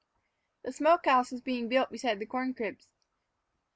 The smoke house was being built beside the corn cribs.